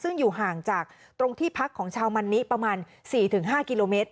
ซึ่งอยู่ห่างจากตรงที่พักของชาวมันนิประมาณ๔๕กิโลเมตร